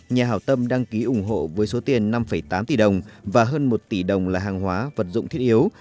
nhà hảo tâm đăng ký ủng hộ với số tiền năm tám tỷ đồng và hơn một tỷ đồng là hàng hóa vật dụng thiết yếu